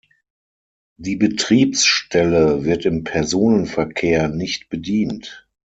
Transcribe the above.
Die Betriebsstelle wird im Personenverkehr nicht bedient.